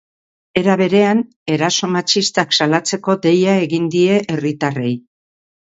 Era berean, eraso matxistak salatzeko deia egin die herritarrei.